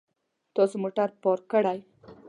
تاسو موټر پارک کړئ